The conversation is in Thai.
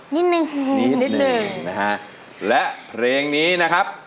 นิดนึงนิดหนึ่งนะฮะและเพลงนี้นะครับ